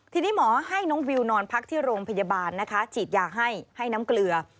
ทีนี้หมอให้น้องวิวนอนพักที่โรงพยาบาลนะคะฉีดยาให้ให้น้ำเกลือ